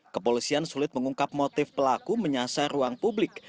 kepolisian sulit mengungkap motif pelaku menyasar ruang publik